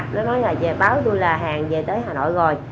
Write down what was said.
nó nói là báo tôi là hàng về tới hà nội rồi